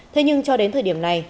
thế nhưng cho đến thời điểm này